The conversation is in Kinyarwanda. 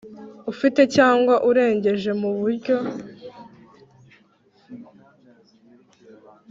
Ufite cyangwa urengeje mu buryo